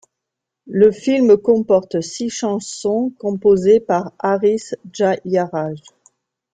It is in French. Le film comporte six chansons composée par Harris Jayaraj.